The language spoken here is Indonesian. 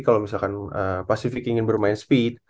kalo misalkan ee pacific ingin bermain speed